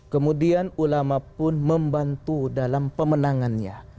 kemudian ulama pun membantu dalam pemenangannya